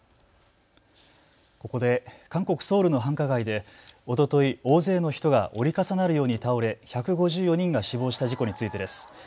ここで韓国・ソウルの繁華街でおととい大勢の人が折り重なるように倒れ１５４人が死亡した事故についてです。